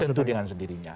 tentu dengan sendirinya